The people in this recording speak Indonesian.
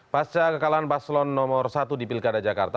pasca kekalahan paslon nomor satu di pilkada jakarta